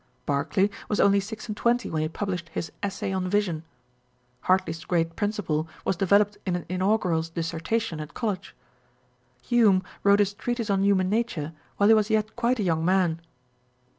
Berkeley was only six and twenty when he published his Essay on Vision. Hartley's great principle was developed in an inaugural dissertation at college. Hume wrote his Treatise on Human Nature while he was yet quite a young man.